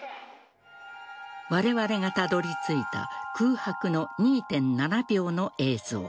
われわれがたどり着いた空白の２．７秒の映像。